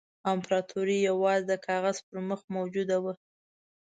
امپراطوري یوازې د کاغذ پر مخ موجوده وه.